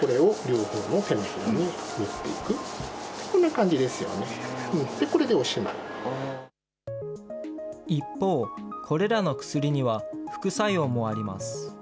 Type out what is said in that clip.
これを両方の手のひらに塗っていく、こんな感じですよね、一方、これらの薬には副作用もあります。